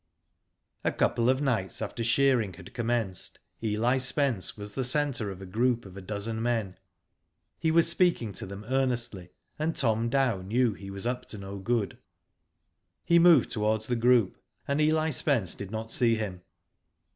A couple of nights after shearing had commenced, Eli Spence was the centre of a group of a dozen men. He was speaking to them earnestly, and Tom Dow knew he was up to no good. He moved towards the group, and Eli Spence did not see him.